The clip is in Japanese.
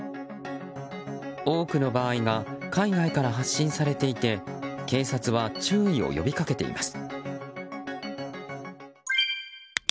多くの場合が海外から発信されていて警察は注意を呼びかけています。